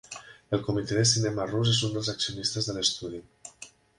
El comitè de cinema rus és un dels accionistes de l'estudi.